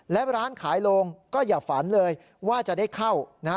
และร้านขายโรงก็อย่าฝันเลยว่าจะได้เข้านะฮะ